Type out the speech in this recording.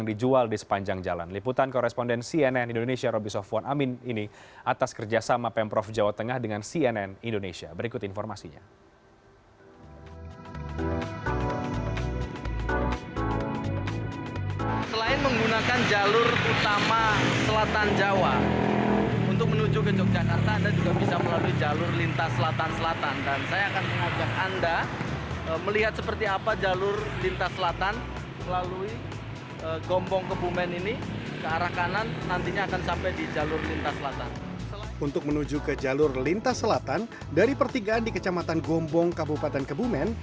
dari pertinggaan di kecamatan gombong kabupaten kebumen